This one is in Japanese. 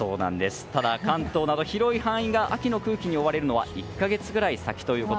ただ関東など広い範囲が秋の空気に覆われるのは１か月ぐらい先です。